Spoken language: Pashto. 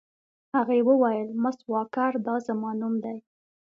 هغې وویل: مس واکر، دا زما نوم دی.